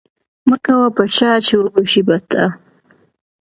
ـ مه کوه په چا ،چې وبشي په تا.